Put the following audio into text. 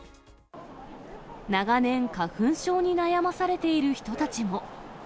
長年、花粉症に悩まされている人たちも。